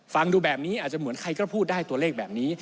ฟังดูแบบนี้อาจจะเหมือนใครก็พูดได้ตัวเลขแบบนี้